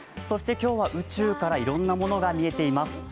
そして今日は宇宙からいろんなものが見えています。